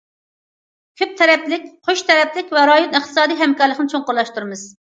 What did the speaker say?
كۆپ تەرەپلىك، قوش تەرەپلىك ۋە رايونلۇق ئىقتىسادىي ھەمكارلىقىنى چوڭقۇرلاشتۇرىمىز.